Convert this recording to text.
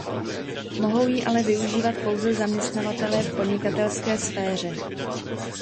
Mohou ji ale využívat pouze zaměstnavatelé v podnikatelské sféře.